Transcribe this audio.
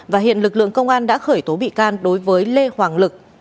và hiện lực lượng công an đã khởi tố bị can đối với lê hoàng lực